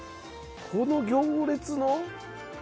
この行列の。